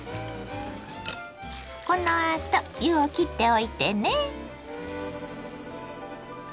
このあと湯をきっておいてね。